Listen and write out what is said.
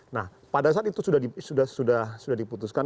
nah pada saat itu sudah diputuskan